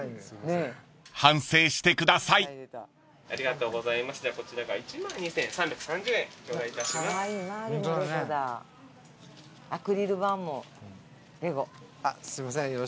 すいません